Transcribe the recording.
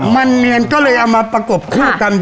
มันเนียนก็เลยเอามาประกบคู่กัน